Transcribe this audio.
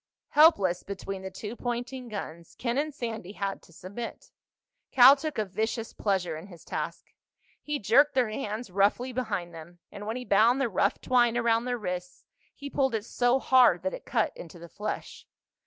Helpless between the two pointing guns, Ken and Sandy had to submit. Cal took a vicious pleasure in his task. He jerked their hands roughly behind them, and when he bound the rough twine around their wrists he pulled it so hard that it cut into the flesh.